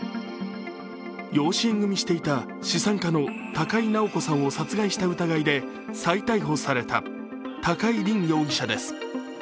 養子縁組していた資産家の高井直子さんを殺害した疑いで再逮捕された高井凜容疑者です。